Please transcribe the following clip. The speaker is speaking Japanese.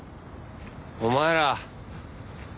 お前ら。